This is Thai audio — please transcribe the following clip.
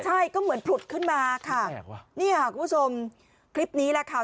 ใช่ก็เหมือนผุดขึ้นมาค่ะนี่ค่ะคุณผู้ชมคลิปนี้แหละค่ะ